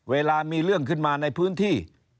เวลามีเรื่องขึ้นมาในพื้นที่